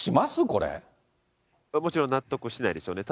こもちろん納得しないですよね。